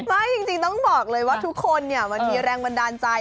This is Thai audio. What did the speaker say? ไม่จริงต้องบอกเลยว่าทุกคนเนี่ยมันมีแรงบันดาลใจ